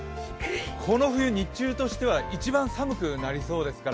この冬、日中としては一番寒くなりそうですから